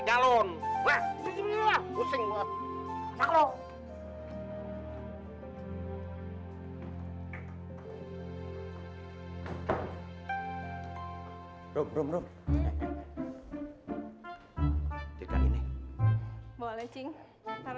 galau gimana sih lu bang kalau kalau putus oke galon lah pusing banget kalau